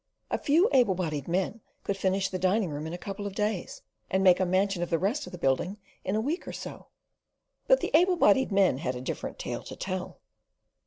"A few able bodied men could finish the dining room in a couple of clays, and make a mansion of the rest of the building in a week or so." But the able bodied men had a different tale to tell.